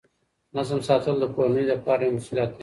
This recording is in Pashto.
نظم ساتل د کورنۍ د پلار یوه مسؤلیت ده.